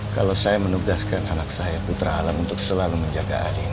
kalau saya menugaskan anak saya putra alam untuk selalu menjaga air